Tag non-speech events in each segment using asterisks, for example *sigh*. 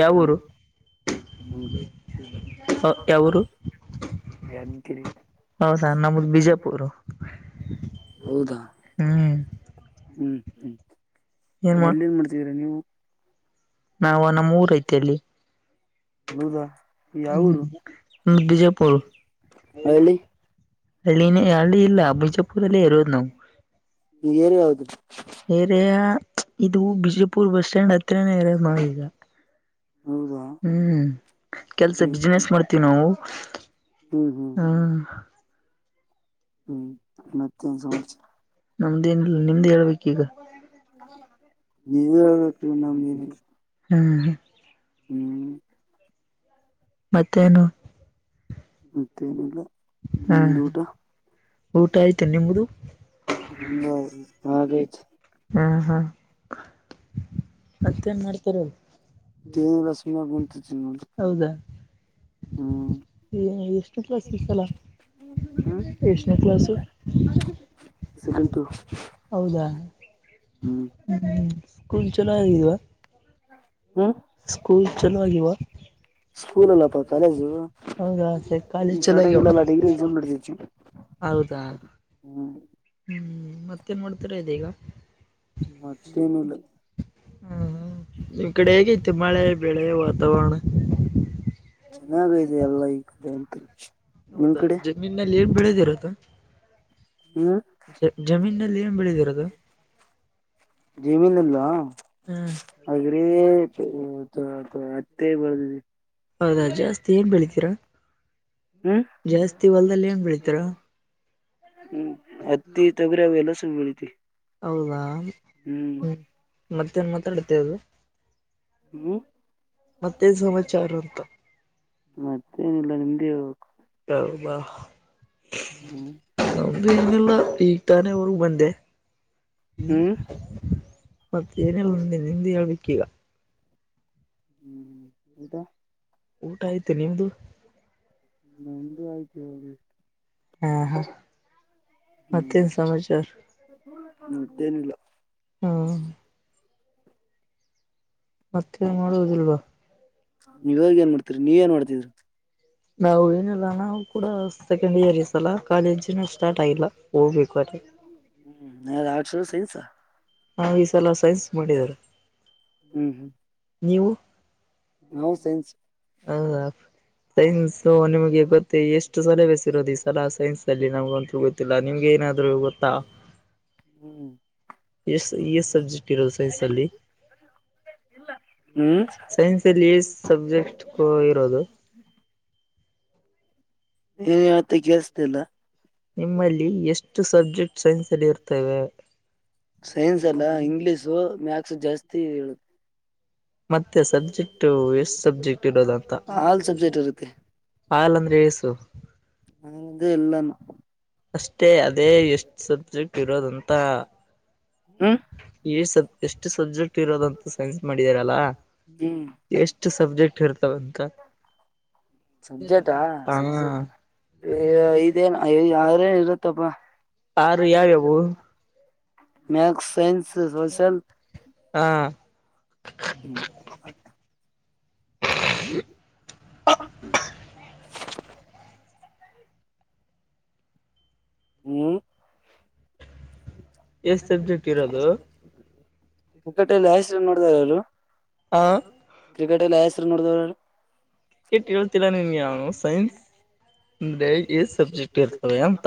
ಯಾವರು ಹ್ಮ್ ಹ್ಮ್ ಯಾವರು ಯಾದಗಿರಿ ಹೌದಾ ನಮ್ದ ಬಿಜಾಪುರು ಹೌದಾ ಹ್ಮ್ ಹ್ಮ್ ಹ್ಮ್ ಎಲ್ಲಿ ಏನ್ ಮಾಡ್ತಿದೀರಾ ನೀವು ನಾವವು ನಮ್ಮ್ ಊರ್ ಐತ ಅಲ್ಲಿ ಹೌದಾ ಯಾವೂರು ಬಿಜೆಪುರ ಹೇಳಿ ಅಳ್ಳ *unintelligible* ಹಳ್ಳಿ ಇಲ್ಲ ಬಿಜಾಪುರಲ್ಲೇ ಇರುವುದು ನಾವು ಈಗ ಏನ್ ಹಾವದುರಿ ಏರಿಯಾ ಇದು ಬಿಜಪುರ್ ಬಸ್ ಸ್ಟ್ಯಾಂಡ್ ಹತ್ರನೇ ಇರದೆ ನಾವು ಈಗ ಹೌದಾ ಹ್ಮ್ ಕೆಲ್ಸ ಹ್ಮ್ ಬಿಸ್ನೆಸ್ ಮಾಡ್ತ ತಿ ನವು ಹ್ಮ್ ಹ್ಮ್ ಹ್ಮ ಹ್ಮ್ ಮತ್ಯನ್ ಸಮಚ ನಮ್ದೇನ್ ನಿಮ್ದ್ ಹೇಳ್ಬೇಕು ಈಗ ನೀವ ಹೇಳ್ಬೇಕು ನಮ್ದ್ ಎನ್ ಇಲ್ಲಾ ಹ್ಮ ಹಾ ಹ್ಮ್ ಮತ್ತೇನು ಮತ್ತೇನಿಲ್ಲ ಹಾ ನಿಮ್ದು ಊಟ ಊಟ ಆಯ್ತು ನಿಮದು ಹಂದ ಹಾಗಾದೇ ಹ್ಮ ಹಾ ಮತ್ತೇನ್ ಮಾಡ್ತಾರ ೇನ ರಸಮ ಉಂಟತ್ಿ ನೋ ಹೌದಾ ಹ್ಮ್ ಎಷ್ಟು ಕ್ಲಾಸ್ ಸಿಲ್ಲ ಎಷ್ಟನೇ ಕ್ಲಾಸು ಸೆಕೆಂಡ್ ಪಿ ಯು ಹೌದಾ ಹ್ಮ್ ಹ್ಮ ಸ್ಕೂ ಚಲಾಗ ಇಾ ಹ್ಮ ಹ್ಮ್ ಆಗಿಲ್ವಾ ಸ್ಕೂಲ್ ಅಲ್ಲಪ ಕಾಲೇಜು ಹೌದಾ ಸರಿ ಕಾಲೇಜ್ ನೀ ಚಲೋ ಸ್ಟಾರ್ಟ್ ಆಗ್ಯಾವ ಆಗಿಲ್ಲಲ್ಲ ಡಿಗ್ರಿ್ ನಸಿ ಹೌದಾ ಹ್ಮ್ ಮತ್ತೇನ್ ಮಾಡ್ತಾರೆ ಇ ಈಗ ಮತ್ತೇನು ಇಲ್ಲ ಹ್ಮ್ ನಿಮ್ ಕಡೆ ಹೇಗೈತಿ ಮಳೆ ಬೆಳೆ ವಾತಾವರಣ ಚೆನ್ನಾಗೈದೆ ಎಲ್ಲ ಈ ಕಡೆ ಎಂತ ಹೌದಾ ಜಮೀನಲ್ಲಿ ಏನ್ ಬೆಳ ಇರುತ್ತ ಜಮೀನ್ ಜೀಮೀನ್ಲ್ಲವಾ ಹ್ಮ್ ಹಾಗ್ರೆ ಹದು ಅತ್ತೇ ಬರ್ದಿ ಹೌದಾ ಜಾಸ್ತಿ ಏನ್ ಬೆಳಿತೀರಾ ಹ್ಮ್ ಜಾಸ್ತಿ ಹೊಲ್ದಲ್ಲಿ ಏನ್ ಬೆಳಿತರ ಹ್ಮ್ ಹತ್ತಿ ತೊಗ್ರಿವಲ್ಲ ಬೆಲಿಥೆವಿ ಹೌದಾ ಹ್ಮ್ ಮತ್ತೇ ನ್ ಮಾತಾಡುತ್ತೆ ಅದು ಹ್ಮ್ ಮತ್ತೇನ್ ಸಮಾಚಾರ ಅಂತ ಮತ್ತೆ ನಿಲ್ಲ ನಿಮ್ದ ಹೆಲ್ಬೇಕು ಹಬಾ ಹ್ಮ್ ಅಲ್ಲ ಈ ತಾನೇವರೆಗ ಬಂದೆ ಹ್ಮ ಹ್ಮ್ ಮತ್ತೆ ಏನಲ್ಲಂದ ನಿಂದ ಹೇಳ್ಬೇಕ್ ಈಗ ಹ್ಮ್ ಹ್ಮ್ ಊಟಾ ಊಟ ಆಯ್ತು ನಿಮ್ದು ನಮ್ದು ಆಯ್ತು ಇವಾಗ ಎಷ್ಟು ಹ್ಮ ಹ ಹ್ಮ್ ಮತ್ತೇನ್ ಸಮಾಚಾರ ಮತ್ತೇನಿಲ್ಲ ಹಾ ಮತ್ತೆ ನೋಡುವುದಿಲ್ವಾ ನೀವಾಗ ಏನ್ ಮಾಡ್ತೀರಿ ನೀವ ಏನ್ ಮಾಡ್ತಿದ್ರಿ ನಾವು ಏನಿಲ್ಲ ನ ಕೂಡ ಸೆಕೆಂಡ್ ಇಯರ್ ಈ ಸಲ ಕಾಲೇಜಿನ ಸ್ಟಾರ್ಟ್ ಆಗಿಲ್ಲ ಹೋಗ್ಬೇಕು ಅದೆ ಹ್ಮ್ ನ ಆರ್ಟ್ಸಾ ಸೈನ್ಸ ಹಾ ನಾ ಈ ಸಲ ಸೈನ್ಸ್ ಮಾಡಿದಾರ ಹ್ಮ್ ಹ್ಮ್ ನೀವು ನೋ ಸೆನ್ಸ್ ಹ ಸೈನ್ಸ್ ನಿಮ್ಗೆ ಗೊತ್ತೆ ಎಷ್ಟು ಸಲಹಭೆಸ ಇರೋದು ಈ ಸಲ ಸೈನ್ಸ್ ಅಲ್ಲಿ ನಮ್ಗ ಅಂತೂ ಗೊತ್ತಿಲ್ಲ ನಿಮ್ಗೆ ಏನಾದ್ರು ಗೊತ್ತಾ ಹ್ಮ್ ಎಷ್ಟ ಎ ಸಬ್ಜೆಕ್ಟ್ ಇರೋದು ಸೈನ್ಸ್ ಅಲ್ಲಿ ಹ್ಮ್ ಸೈನ್ಸ್ ಅಲ್ಲಿ ಎ ಸಬ್ಜೆಕ್ಟ್ ಇರೋದು ನೀನ್ ಯಾವತ್ತೆ ಕೇಳಸತಿಲ್ಲ ನಿಮ್ಮಲ್ಲಿ ಎಷ್ಟು ಸಬ್ಜೆಕ್ಟ್ ಸೈನ್ಸ್ ಅಲ್ಲಿ ಇರ್ತೇವೆ ಸೈನ್ಸ್ ಅಲ್ಲ ಇಂಗ್ಲಿಷು ಮ್ಯಾ ಜಾಸ್ತಿ ಹೇಳುದು ಮತ್ತೆ ಸಬ್ಜೆಕ್ಟ್ ಎಷ್ಟು ಸಬ್ಜೆಕ್ಟ್ ಇರೋದಂತ ಆಲ್ ಸಬ್ಜೆಕ್ಟ್ ಇರುತ್ತೆ ಹಲ್ ಅಂದ್ರೆ ಏಸು ಅ್ದ ಎಲ್ಲಾನ ಅಷ್ಟೇ ಅದೇ ಎಷ್ಟು ಸಬ್ಜೆಕ್ಟ್ ಇರೋದಂತ ಹ್ಮ್ ಈ ಸ ಎಷ್ಟು ಸಬ್ಜೆಕ್ಟ್ ಇರೋದಂತೂ ಸೈನ್ಸ್ ಮಾಡಿದಾರಲ್ಲಾ ಹ್ಮ್ ಎಷ್ಟ ಸಬ್ಜೆಕ್ಟ್ ಇ ಸಬ್ಜೆಕ್ಟಾ ಹಾ ಸಬ್ಜೆಕ್ಟ್ ಐದೇನು ಯಾರೇ ಇರುತ್ತಪ್ಪ ಯಾರ ಯಾವ ಯಾವು ಮ್ಯಾಕ್ಸ್ ಸೈನ್ಸ್ ಸೋಷಲ್ ಹಾ ಹ್ಮ್ *inaudible* *unintelligible* ಹ್ಮ್ ಹ ಎಷ್ಟ್ ಸಬ್ಜೆಕ್ಟ್ ಇರೋದು ಕಿಕಟೆಯಲ್ಲಿ ಆಸ್ ನೋಡಿದಾರ ಅವರು ಹ ಹ್ಮ ಕ್ರಿಕೆಟ್ ಎಲ್ಲಿ ಹೆಸ್ರು ನೋಡಿದವ್ರ ಕೇಟ್ ಕೇಳ್ತಿರ ನಿನ್ಗೆ ನು ಸೈನ್ಸ್ ಅಂದ್ರೆ ಸಬ್ಜೆಕ್ಟ್ ಇರ್ತವೆ ಅಂತ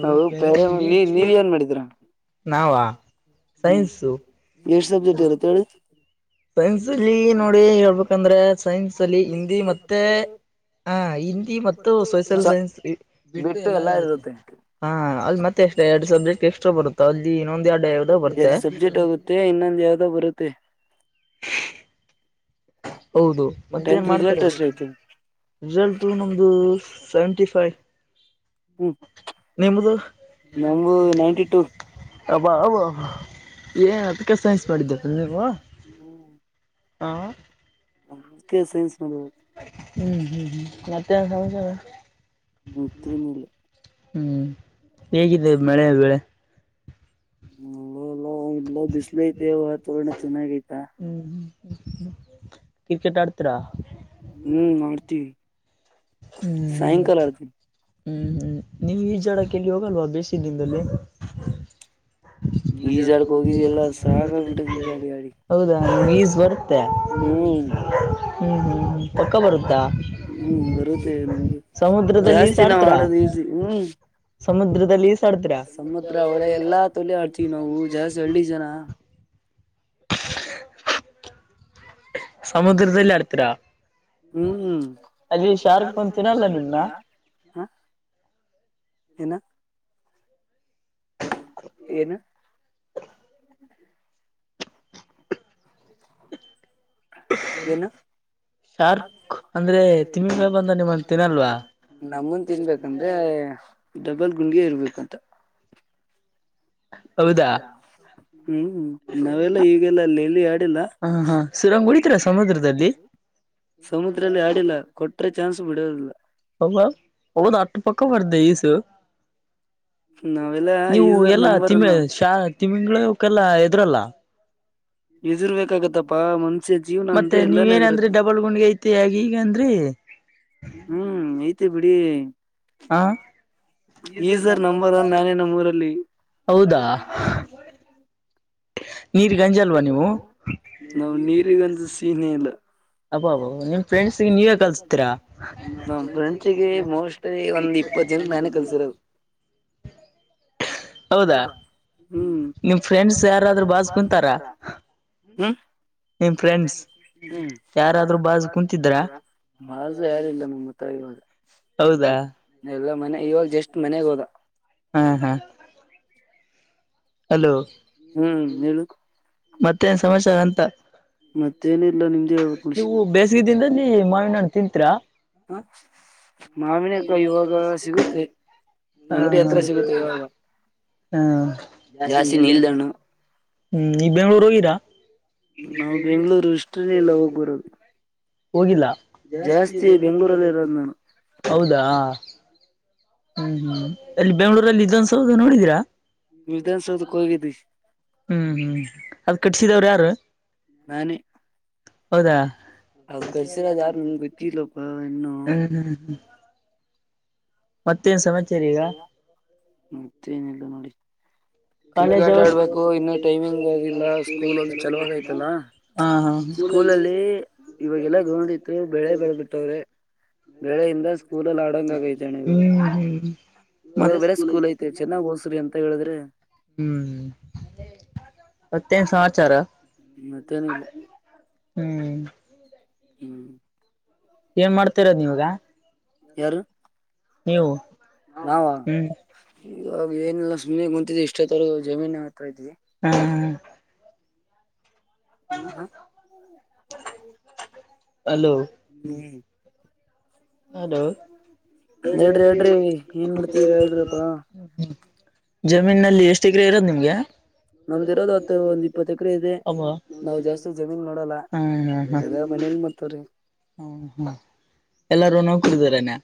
ಹ ಬೇರೆ ನೀ ನೀವ್ ಏನ್ ಮಾಡಿದರ ನಾವ ಸೈನ್ಸು ಎಷ್ಟ್ ಸಬ್ಜೆಕ್ಟ್ ಇರುತ್ತೆ ಹೇಳಿ ಸೈನ್ಸ್ ಅಲ್ಲಿ ನೋಡಿ ಹೇಳ್ಬೇಕಂದ್ರೆ ಸೈನ್ಸ್ ಅಲ್ಲಿ ಹಿಂದಿ ಮತ್ತೆ ಹ ಹಿಂದಿ ಮತ್ತು ಸೋಷಿಯಲ್ ಸ ಸೈನ್ಸ್ ಬಿಟ್ಟು ಎಲ್ಲ ಇರುತ್ತೆ ಹ ಅಲ್ಲಿ ಮತ್ತೆ ಎಷ್ಟ ಎರಡು ಸಬ್ಜೆಕ್ಟ್ ಎಸ್ಟ್ರಾ ಬರುತ್ತೆ ಎರಡು ಸಬ್ಜೆಕ್ಟ್ ಹೋಗುತ್ತೆ ಇನ್ನೊಂದ್ ಯಾವ್ದೋ ಬರುತ್ತೆ ಹೌದು ಮತ್ತೆ ಟೆಂತ್ ರಿಸಲ್ಟ್ ಮಾಡ್ತಾರೆ ಅಷ್ಟೇ ಐತೆ ರಿಸಲ್ಟ ನಮ್ದು ಸೆವೆಂಟಿಫೈ ಹ್ಮ್ ನಮಗು ನೈನ್ಟಿ ಟು ಅಬ್ಬ ಅ ಏನ್ ಅ ಪಿಕ ಸೈನ್ಸ್ ಮಾಡಿದ್ದೇ ನೀವ ಹ್ಮ್ ಹಾ ಸೈನ್ಸು ಹೌ ಹ್ಮ್ ಹ್ಮ್ ಹ್ಮ್ ಮತ್ತೆ ಯೆನ್ ಸಮಾಚಾರ ಮ್ಯಾಥೆ ಎನ್ ಇಲ್ಲಾ ಹ್ಮ್ ಹೇಗಿದೆ ಮಳೆ ಬೆಳೆ ಲ್ಲಲ್ಲ ಇ ಐತೆವಥೋಣ ಚೆನ್ನಾಗಿಐತಾ ಕ್ರಿಕೆಟಾರ್ತ್ರರ ಹ್ಮ್ ಮಾಡ್ತೀ ಹ್ಮ್ ಹ್ಮ್ ಹ್ಮ್ ನೀವು ಈ ಜಡಕ್ಕೆಲ್ಲಿ ಹೋಗಲ್ವಾ ಬೇಸ ದಿನದಲ್ಲಿ ಈಜಾಡಕ್ ಹೋಗಿದಿ ಎಲ್ಲ ಸಾಕ್ಬಿಟ್ಟದ ಈಜಾಡಿ ಗಾಡಿ *unintelligible* ಂತೆ ಹ್ಮ್ ಹ್ಮ್ ಹ್ಮ್ ಪಕ್ಕ ಬರದು ಹ್ಮ್ ಬರುತ್ತೆ ಮ ನಮ್ಗೆ ಸಮುದ್ರದಲ್ಲಿ ಜಾಸ್ತಿ ನಾವು ಈಸಾಡ್ತೀರಾ ಆಡೋದು ಈಸಿ ಹ್ಮ್ ಸಮುದ್ರದಲ್ಲಿ ಈಸಾಡ್ತೀರಾ ಸಮುದ್ರ ಒಳೆ ಎಲ್ಲಾ ತೊಲೆ ಆಡ್ತೀವಿ ನಾವು ಜಾಸ್ತಿ ಹಳ್ಳಿ ಜನ ಸಮುದ್ರದಲ್ಲಿ ಆಡ್ತೀರಾ ಹ್ಮ್ ಅಲ್ಲಿ ಶಾರುಖ್ ಬಂತಂತೀರಲ್ಲ ನಿಮನ್ನ ಇನ್ನು ಏನು *inaudible* *inaudible* ಏನು ಶಾರ್ಕ್ ಅಂದ್ರೆ ತಿಮಿಂಗ ಬಂದ ನಿಮ್ಮನ್ನ ತಿನ್ನಲ್ವಾ ನಮನ್ ತಿನ್ಬೇಕಂದ್ರೆ ಡಬಲ್ ಗುಂಡಿಯ ಇರ್ಬೇಕಂತ ಹೌದಾ ಹ್ಮ್ ನಾವೆಲ್ಲಾ ಈಗೆಲ್ಲ ಲ ಇಲ್ಲಿ ಆಡಿಲ್ಲ ಹ ಹಾ ಸುರಂಗ್ ಹೊಡಿತೀರಾ ಸಮುದ್ರದಲ್ಲಿ ಸಮುದ್ರದಲ್ಲಿ ಆಡಿಲ್ಲ ಕೊಟರೆೆ ಚಾನ್ಸ್ ಬಿಡೋದಿಲ್ಲ ಹ ಒಂದು ಅಟ ಪಕ್ಕ ಬರ್ತದ ಇಸ್ ನಾವೆಲ್ಲ ಈಸರ್ ನಂಬರ್ ನ ತಿಮಿಂಗಳ ಹಕಲ್ಲಾ ಎದ್ರಲ್ಲ ಎರ್ಬೇಕಾಗತ್ತಪ್ಪಾ ಮನ್ ಮತ್ತೆ ನೀವೇನಂದ್ರಿ ಡಬಲ್ ಗುಂಡ್ಗೆ ಐತಿ ಆಗ ಈಗ ಅಂದ್ರಿ ಹ್ಮ್ ಹಾ ಇಜ್ಜರ ನಂಬರ್ ಒನ್ ನಾನೇ ನಮ್ಮ ಊರಲ್ಲಿ ಹೌದಾ ನೀರ್ ಗಂಜಲ್ವಾ ನೀರ್ಗಂಜಲ್ವಾ ನೀವು ನಾವು ನೀರಿಗಂಜ ಸೀನ ಇಲ್ಲ ಹಬ್ ಅಬ ನಿಮ್ ಫ್ರೆಂಡ್ಸ್ಗೆ ನೀವೇ ಕಲ್ಸ್ತೀರಾ ನಮ್ ಫ್ರೆಂಡ್ಸ್ ಮೋಸ್ಟ್ಲಿ ಒಂದ್ ಇಪ್ಪತ್ತು ಜನಕ್ ನಾನೇ ಕಲ್ಸರದು ಹೌದಾ ಹೂಂ ನಿಮ್ ಫ್ರೆಂಡ್ಸ್ ಯಾರಾದ್ರರು ಬಾಜ್ ಕುಂತಾರ ಆದೂ ಬಾಜು ಕುಂತಿದ್ದ ಬಾಜು ಯಾರಿಲ್ಲ ನಮ್ಮ ತಾಯವಾಗ ಹೌದಾ ಎಲ್ಲ ಮನೆ ಇವಾಗ ಜಸ್ಟ್ ಮನೆಗ್ ಹೋದ ಹಾ ಹಾ ಹಲೋ ಹ್ಮ್ ಹೇಳು ಮತ್ತೇನ್ ಸಮಾಚಾರ ಅಂತ ಮತ್ತೇನಿಲ್ಲ ನಿಮ್ದೆ ಹೇಳ್ಬೇಕು ನಿಶ್ ನೀವು ಬೇಸಿಗೆದಿಂದ ನೀ ಮಾವಿನಹಣ್ಣಿನತಿಂತರಾ ಹ ಮಾವಿನಕ ಇವಾಗ ಸಿಗುತ್ತೆ ಅಂಗಡಿ ಹತ್ರ ಸಿಗುತ್ತೆ ಇವಾಗ ಹಾ ಜಾಸ್ತಿ ನೀ ಹ್ಮ್ ಈ ಬೆಂಗ್ಳೂರ್ ಹೋಗಿರಾ ನಾವು ಬೆಂಗ್ಳೂರು ಇಷ್ಟ್ರನೇ ಇಲ್ಲ ಹೋಗ್ ಬರೋದು. ಹೋಗಿಲ್ಲ ಜಾಸ್ತಿ ಬೆಂಗಳೂರು ಅಲಿ ಇರೋದು ನಾವುಹೌದಾ ಹ್ಮ್ ಹ್ಮ್ ಅಲ್ಲಿ ಬೆಂಗ್ಳೂರಲ್ಲಿ ಇದೊಂದಸೌದು ನೋಡಿದೀರಾ ವಿಧಾನಸೌಧಕ್ಕೆ ಹೋಗಿದ್ದೀ ಹ್ಮ್ ಹ್ಮ್ ಅದ್ ಕಟ್ಸಿದಾವ್ರ ಯಾರು ಹೌದಾ ಅದ್ ಗರ್ಸಿರ ಯಾರು ನನ್ ಗೊತ್ತಿಲ್ಲಪ್ಪ ಇನ್ನು ಹ್ಮ್ ಹ್ಮ್ ಹ್ಮ್ ಮತ್ತೇನ್ ಸಮಾಚಾರ ಈಗ ಮತ್ತೆ ಏನಿಲ್ಲ ನೋಡಿ ಕಾಲೇಜ್ ಕ್ರಿಕೆಟ್ ಹೋಗ್ಬೇಕು ಆಡ್ಬೇಕು ಇನ್ನು ಟೈಮಿಂಗ್ ಆಗಿಲ್ಲ ಸ್ಕೂಲ್ ಅಲ್ಲಿ ಚಲುವಾಗಐತಲ್ಲ ಐತಲ್ಲ ಹಾ ಹಾ ಸ್ಕೂಲ ಅಲ್ಲಿ ಇವಾಗೆಲ್ಲ ಗ್ರೌಂಡ್ತ್ರು ಬೆಳೆ ಬೆಳ ಬಿಿಟ್ಟವ್ರೆ ಬೆಳೆೆಯಿಂದ ಸ್ಕೂಲಲ್ಲಿ ಆಡಂಗ ಆಗೈತೆಣ್ಣ ಇವ್ರು ಹ್ಮ್ ಹ್ಮ್ ಇವಾಗ ಮತ್ ಬೆೇ ಸ್ಕೂಲ್ ಐತೆ ಚೆನ್ನಾಗ್ ಹೋಸ್ರಿ ಅಂತ ಹೇಳಿದ್ರೆ ಹ್ಮ ಮತ್ತೇನ್ ಸಮಾಚಾರ ಮತ್ತೇನ ಇಲ್ಲ ಹ್ಮ್ ಹ್ಮ್ ಏನ್ ಮಾಡ್ತರೋಧು ನೀವಗ ಯಾರು ನೀವು ನಾವಾ ಹ್ಮ್ ಇವಾಗ ಏನೆಲ್ಲ ಸುಮನೆ ಕುಂತಿದ್ದು ಇಷ್ಟತ್ತರ ಜಮೀನ್ ಹತ್ರ ಇದ್ವಿ ಹ್ಮ್ ಹ್ಮ ಅಲೋ ಹ್ಮ್ ಹಲೋ ಹೇಳಿ ಹೇಳ್ರಿ ಏನ್ ಮಾಡ್ತಿದೀರ ಹೇಳ್ರಪ್ಪಾ *unintelligible* ಜಮೀನಲ್ಲಿ ಎಷ್ಟ್ ಎಕರೆ ಇರೋದ ನಿಮ್ಗೆ ನಮ್ದ ಇರೋದು ಹತ್ತು ಒಂದ್ ಇಪ್ಪತ್ತು ಎಕರೆ ಇದೆ ಅಬ್ಬ ನಾವವು ಜಾಸ್ತಿ ಜಮೀನ್ ನೋಡಲ್ಲ ಈಗ ಮನೇಲಿ ಮಾಡರ್ತವ್ರಿ ಹ ಹಾ ಎಲ್ಲಾರೂ ನೋ ಕುಡಿದರನೆ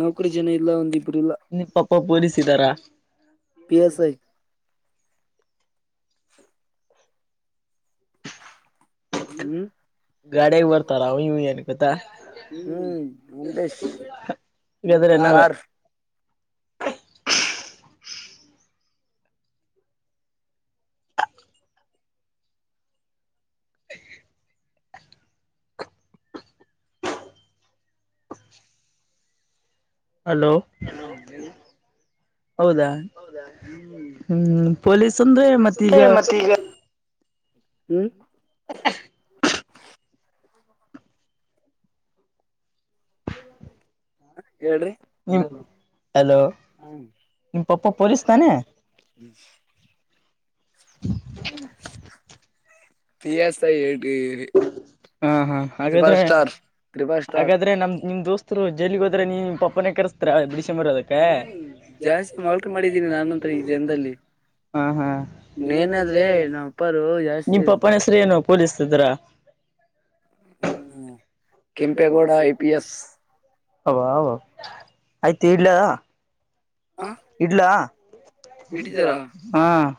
ನೌಕರಿ ಜನ ಇಲ್ಲ ಒಂದಿಬ್ರು ಇಲ್ಲ ನಿ ಪಪ್ಪ ಪಲಿಸಿದಾರಾ ಹ ಹ್ಮ ಗಾಡಿಯಾಗ ಬರ್ತಾರ ಅವ ಇವ ಅನ್ಕೋತ ಹ್ಮ್ ಮೇಶ ಹಾಗಾದ್ರೆ ನೀವು ನಾವ ಕಾರ ಹಲೋ ಹೌದಾ ಹ್ಮ ಪೊಲೀಸ್ ಸಂದ್ರ ಮತ್ತ ಈಗ ಮತ್ತೀಗ ಹ್ಮ್ ಹ ಹಲೋ ನಿ ಹಲೋ ಹ್ಮ್ ನಿಮ ಪಪ್ಪ ಪೊಲೀಸ್ ತಾನೆ ಹ್ಮ ಹ್ಮ ಸ್ತಾಯ ಹೇಳ ಹ ಹಾ ಹಾ ಹಾಗಾದ್ರೆ ಸ್ಟಾರ್ ಹಾಗಾದ್ರೆ ನಮ ನಿಮ್ ದೋಸ್ತರು ಜಲ್ಲಿಗ ಹದ್ರೆ ನೀ ಪಪ್ಪನೇ ಕರ್ಸ್ತ ದ ಜಾಸ್ತಿ ನೌಕರಿ ಮಾಡಿದ್ದೀನಿ ನಾನಂತ್ರ ಈ ಜನದಲ್ಲಿ ಹ ಹಾ ಇನ್ನೇನಾದ್ರೆ ನಮ್ಮ ಅಪ್ಪರು ನಿಮ್ ಜಾಸ್ತಿ ಪಪ್ಪನ ಹೆಸ್ರ ಏನು ಕೂದಿಸ್ತಿದ್ರಾ ಕೆಂಪೇಗೌಡ ಐಪಿಎಸ್ ಹ ಅವ ಆಯ್ತು ಇಡ್ಲ ಆ ಇಡ್ಲಾ ಹಿಡಿದಿರಾ? ಹಾ